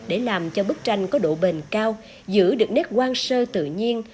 để làm cho bức tranh có độ bền cao giữ được nét quang sơ tự nhiên